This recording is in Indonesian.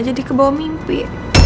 jadi kebawa mimpi